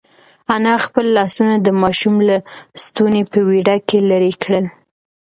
انا خپل لاسونه د ماشوم له ستوني په وېره کې لرې کړل.